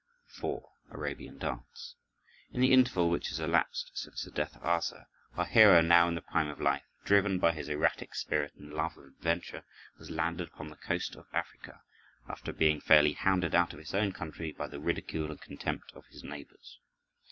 4. Arabian Dance In the interval which has elapsed since the death of Ase, our hero, now in the prime of life, driven by his erratic spirit and love of adventure, has landed upon the coast of Africa, after being fairly hounded out of his own country by the ridicule and contempt of his neighbors.